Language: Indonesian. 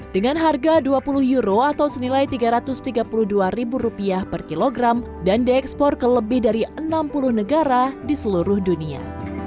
dengan harga dua puluh euro atau senilai rp tiga ratus tiga puluh dua per kilogram dan diekspor ke lebih dari enam puluh negara di seluruh dunia